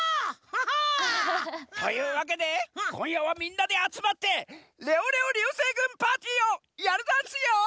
オ！というわけでこんやはみんなであつまってレオレオりゅうせいぐんパーティーをやるざんすよ！